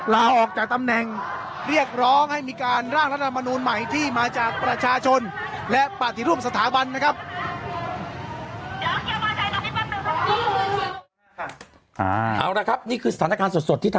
ลาออกจากตำแหน่งเรียกร้องให้มีการร่างรัฐมนูลใหม่ที่มาจากประชาชนและปฏิรูปสถาบันนะครับ